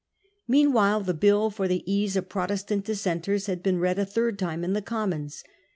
Meanwhile the bill for the ease of Protestant Dissenters had been read a third time in the Commons.